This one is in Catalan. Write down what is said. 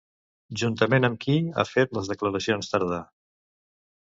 Juntament amb qui ha fet les declaracions Tardà?